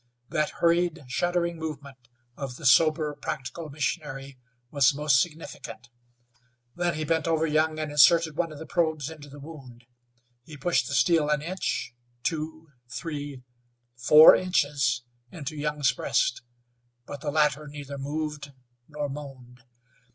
That hurried, shuddering movement of the sober, practical missionary was most significant. Then he bent over Young and inserted on of the probes into the wound. He pushed the steel an inch, two, three, four inches into Young's breast, but the latter neither moved nor moaned.